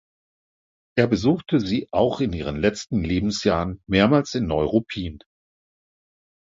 Er besuchte sie auch in ihren letzten Lebensjahren mehrmals in Neuruppin.